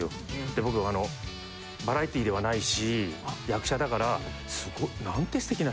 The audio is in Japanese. で僕あのバラエティーではないし役者だからすごい。